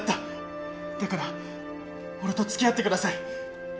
だから俺と付き合ってください。